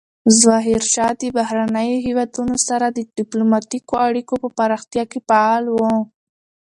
ظاهرشاه د بهرنیو هیوادونو سره د ډیپلوماتیکو اړیکو په پراختیا کې فعال و.